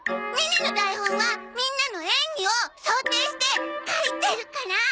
ネネの台本はみんなの演技を想定して書いてるから。